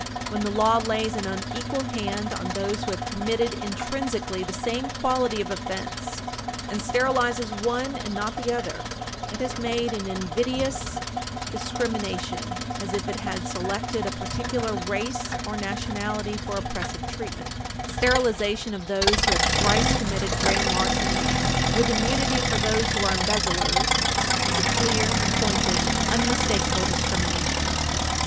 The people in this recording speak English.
369. When the law lays an unequal hand on those who have committed intrinsically the same quality of offense and sterilizes one and not the other, it has made as invidious a discrimination as if it had selected a particular race or nationality for oppressive treatment. Yick Wo v. Hopkins, supra; Gaines v. Canada, 305 U. S. 337. Sterilization of those who have thrice committed grand larceny, with immunity for those who are embezzlers, is a clear, pointed, unmistakable discrimination.